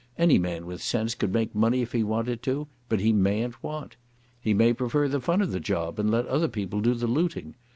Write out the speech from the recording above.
Any man with sense could make money if he wanted to, but he mayn't want. He may prefer the fun of the job and let other people do the looting.